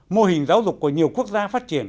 mô hình giáo dục của nhiều quốc gia phát triển